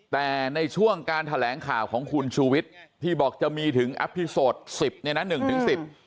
แต่ในช่วงการแถลงข่าวของคุณชูวิทร์ที่บอกจะมีถึงอปทิโสต์๑๐ครับ๑๑๐